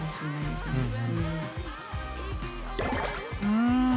うん。